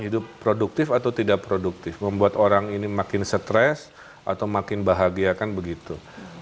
hidup produktif atau tidak produktif membuat orang ini makin stres atau makin bahagia kan begitu